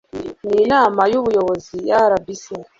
n inama y ubuyobozi ya rbc